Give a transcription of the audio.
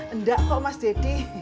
enggak kok mas deddy